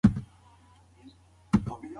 یو کتاب یې خپل زړه ته نږدې کېښود.